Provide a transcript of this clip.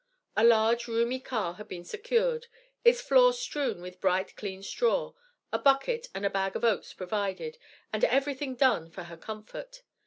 A large, roomy car had been secured, its floor strewn with bright clean straw, a bucket and a bag of oats provided, and everything done for her comfort.